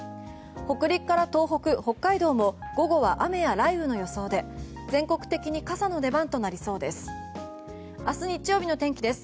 北陸から東北、北海道も午後は雨や雷雨の予想で全国的に傘の出番となりそうです。